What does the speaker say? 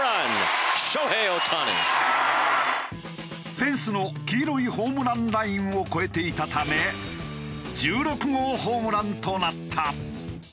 フェンスの黄色いホームランラインを越えていたため１６号ホームランとなった。